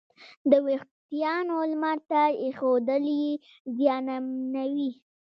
د وېښتیانو لمر ته ایښودل یې زیانمنوي.